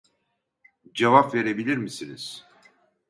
Cevap verebilir misiniz ?